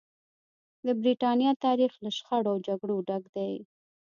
د برېټانیا تاریخ له شخړو او جګړو ډک دی.